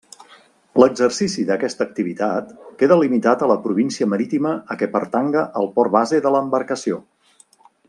L'exercici d'aquesta activitat queda limitat a la província marítima a què pertanga el port base de l'embarcació.